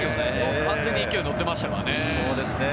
完全に勢いに乗っていましたからね。